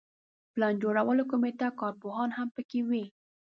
پلان جوړولو کمیټه کارپوهان هم په کې وي.